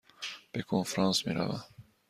به کنفرانس می روم.